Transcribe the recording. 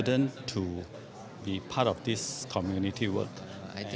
menjadi bagian dari komunitas ini